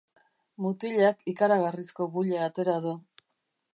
Mutilak ikaragarrizko buila atera du.